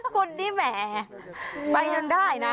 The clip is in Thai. คนที่แหมไปจนได้นะ